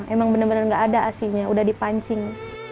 emang bener bener gak ada asinya udah dipancing